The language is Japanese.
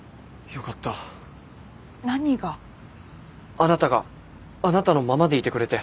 あなたがあなたのままでいてくれて。